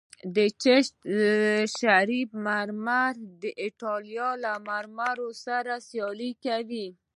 د چشت شریف مرمر د ایټالیا له مرمرو سره سیالي کوي